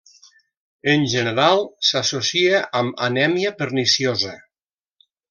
En general s'associa amb anèmia perniciosa.